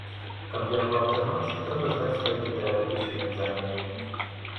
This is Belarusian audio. Каб яго атрымаць, трэба здаць толькі тэарэтычны экзамен.